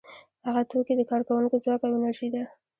هغه توکي د کارکوونکو ځواک او انرژي ده